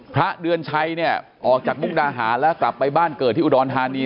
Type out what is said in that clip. พระเดือนชัยเนี่ยออกจากมุกดาหารแล้วกลับไปบ้านเกิดที่อุดรธานี